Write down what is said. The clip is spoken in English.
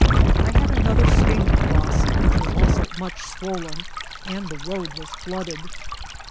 I had another stream to cross, which was also much swollen, and the road was flooded.